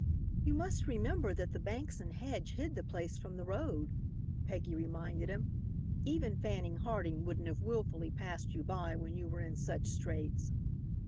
"You must remember that the banks and hedge hid the place from the road," Peggy reminded him. "Even Fanning Harding wouldn't have willfully passed by you when you were in such straits."